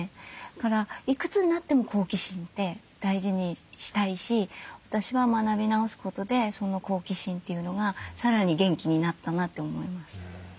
だからいくつになっても好奇心って大事にしたいし私は学び直すことでその好奇心というのがさらに元気になったなって思います。